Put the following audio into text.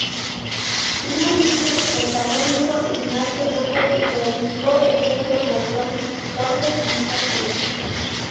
Finalmente el Canónigo Ignacio Duque reedificó el templo, con frontis, torres y cúpula.